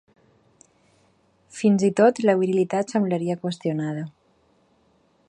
Fins i tot la virilitat semblaria qüestionada .